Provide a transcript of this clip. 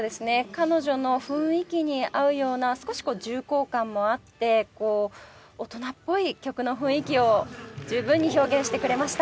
彼女の雰囲気に合うような少し重厚感もあって大人っぽい曲の雰囲気を十分に表現してくれました。